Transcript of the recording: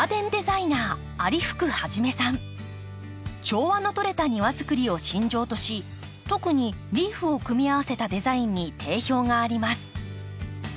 調和のとれた庭づくりを信条とし特にリーフを組み合わせたデザインに定評があります。